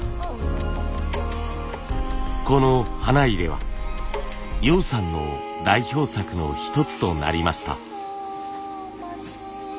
この花入れは陽さんの代表作の一つとなりました。